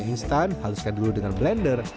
instan haluskan dulu dengan blender